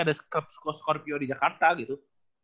ada scooskorpio di jakarta gitu